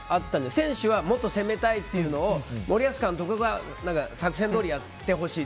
選手はもっと攻めたいというのを森保監督が作戦どおりやってほしいと。